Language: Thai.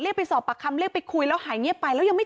ไปสอบปากคำเรียกไปคุยแล้วหายเงียบไปแล้วยังไม่